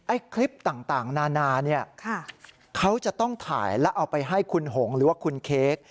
คลิปต่างนานาเนี่ยเขาจะต้องถ่ายแล้วเอาไปให้คุณหงหรือว่าคุณเค้ก